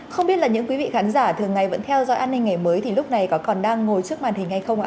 không biết là những quý vị khán giả thường ngày vẫn theo dõi an ninh ngày mới thì lúc này có còn đang ngồi trước màn hình hay không ạ